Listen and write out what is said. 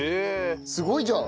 すごいじゃん。